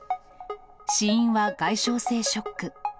死因は外傷性ショック。